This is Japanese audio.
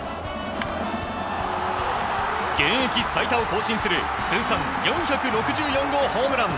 現役最多を更新する通算４６４号ホームラン。